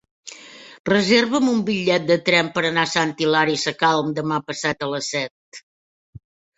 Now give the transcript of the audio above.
Reserva'm un bitllet de tren per anar a Sant Hilari Sacalm demà passat a les set.